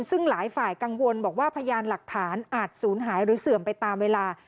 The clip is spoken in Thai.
ซึ่งหลายฝ่ายกังวลบอกว่าพยานหลักฐานอาจศูนย์หายหรือเสื่อมไปตามเวลา